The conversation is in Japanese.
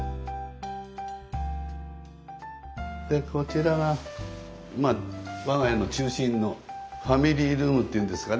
でこちらがまあ我が家の中心のファミリールームっていうんですかね